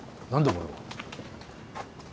これは。